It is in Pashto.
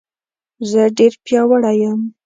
زه ډېر پیاوړی یم